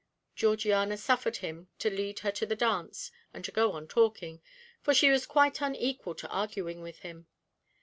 Georgiana suffered him to lead her to the dance, and to go on talking, for she was quite unequal to arguing with him.